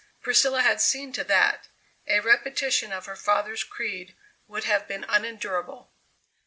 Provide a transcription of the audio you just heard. Priscilla had seen to that. A repetition of her father's creed would have been unendurable.